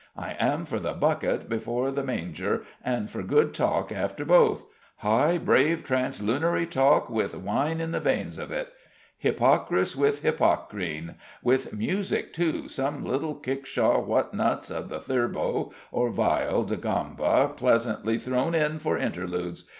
I am for the bucket before the manger and for good talk after both high, brave translunary talk with wine in the veins of it Hippocras with hippocrene: with music too some little kickshaw whatnots of the theorbo or viol da gamba pleasantly thrown in for interludes.